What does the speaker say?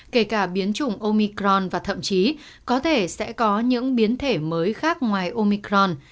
kể cả biến chủng omicron và thậm chí có thể sẽ có những biến thể mới khác ngoài omicron